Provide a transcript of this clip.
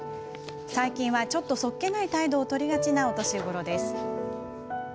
最近はちょっとそっけない態度を取りがちなお年頃です。